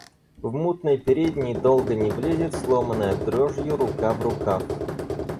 В мутной передней долго не влезет сломанная дрожью рука в рукав.